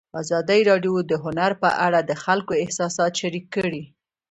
ازادي راډیو د هنر په اړه د خلکو احساسات شریک کړي.